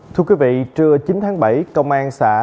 thưa quý vị trưa chín tháng bảy công an xã